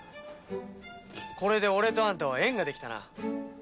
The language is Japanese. これで俺とあんたは縁ができたな。